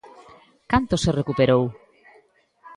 Canto se recuperou?